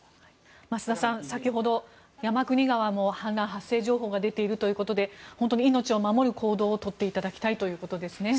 増田さん、先ほど山国川も氾濫発生情報が出ているということで本当に命を守る行動を取っていただきたいということですね。